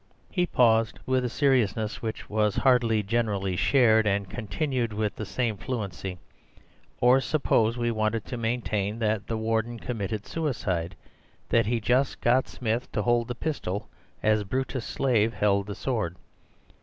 He paused with a seriousness which was hardly generally shared, and continued with the same fluency: "Or suppose we wanted to maintain that the Warden committed suicide—that he just got Smith to hold the pistol as Brutus's slave held the sword.